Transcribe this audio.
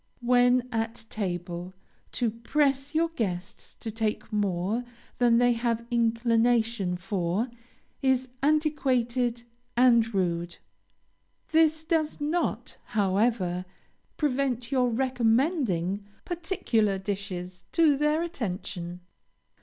When at table to press your guests to take more than they have inclination for, is antiquated and rude. This does not, however, prevent your recommending particular dishes to their attention.